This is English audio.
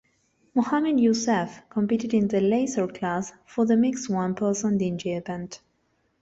Mohammed Youssef competed in the Laser Class for the mixed one person dingy event.